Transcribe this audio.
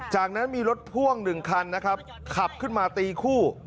จากนั้นมีรถพ่วงหนึ่งคันนะครับขับขึ้นมาตีคู่